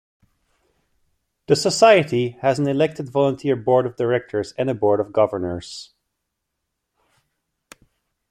The society has an elected volunteer Board of Directors and a Board of Governors.